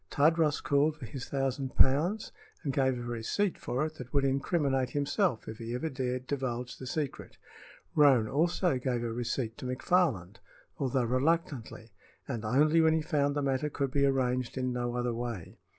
Tadros called for his thousand pounds and gave a receipt for it that would incriminate himself if he ever dared divulge the secret. Roane also gave a receipt to McFarland, although reluctantly, and only when he found the matter could be arranged in no other way.